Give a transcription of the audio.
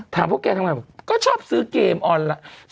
พวกแกทำไงบอกก็ชอบซื้อเกมออนไลน์